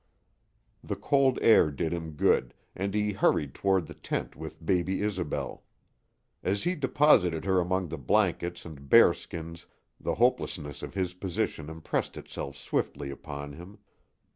The cold air did him good, and he hurried toward the tent with baby Isobel. As he deposited her among the blankets and bearskins the hopelessness of his position impressed itself swiftly upon him.